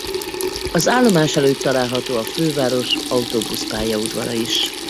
Az állomás előtt található a főváros autóbusz-pályaudvara is.